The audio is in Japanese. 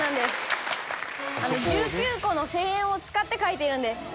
１９個の正円を使って描いているんです。